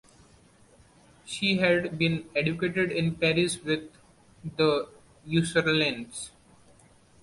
She had been educated in Paris with the Ursulines.